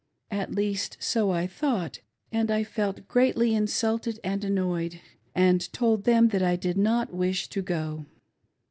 At least, so I thought, and I felt greatly insulted and annoyed, and told them I did not wish to go.